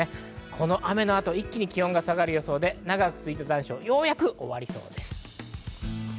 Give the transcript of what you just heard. この雨の後、一気に気温が下がる予想で、長く続いていた残暑、ようやく終わりそうです。